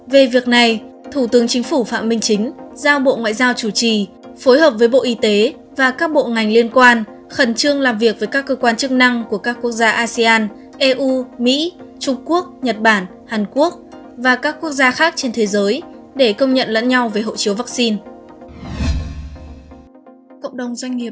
về việc này thủ tướng chính phủ phạm minh chính giao bộ ngoại giao chủ trì phối hợp với bộ y tế và các bộ ngành liên quan khẩn trương làm việc với các cơ quan chức năng của các quốc gia asean eu mỹ trung quốc nhật bản hàn quốc và các quốc gia khác trên thế giới để công nhận lẫn nhau về hộ chiếu vaccine